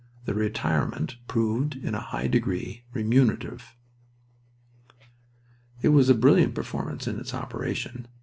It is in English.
The retirement proved in a high degree remunerative." I saw the brilliant performance in its operation.